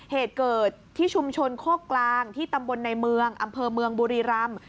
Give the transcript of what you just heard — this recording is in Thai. เหตุเกิดที่ชุมชนโคกกลางที่ตำบลในเมืองอำเภอเมืองบุรีรำ